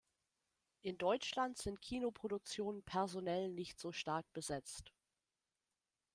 In Deutschland sind Kinoproduktionen personell nicht so stark besetzt.